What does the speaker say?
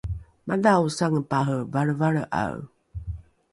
madhao sangepare valrevalre’ae